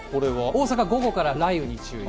大阪、午後から雷雨に注意。